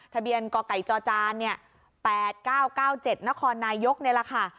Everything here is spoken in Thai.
ทะเบียนกกจเนี่ย๘๙๙๗นนายกนี่แหละค่ะ